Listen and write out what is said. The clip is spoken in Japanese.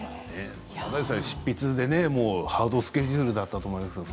執筆でハードスケジュールだったと思いますけれど